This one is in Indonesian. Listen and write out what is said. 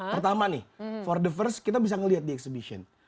pertama nih for the first kita bisa melihat di exhibition